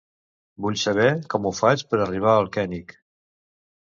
Vull saber com ho faig per arribar al König.